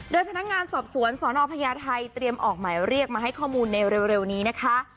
โดยพนักงานสอบสวนสนพญาไทยเตรียมออกหมายเรียกมาให้ข้อมูลในเร็วนี้นะคะ